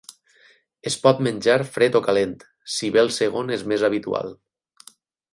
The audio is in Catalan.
Es pot menjar fred o calent, si bé el segon és més habitual.